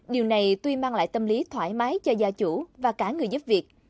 điều này tuy mang lại tâm lý thoải mái cho gia chủ và cả người giúp việc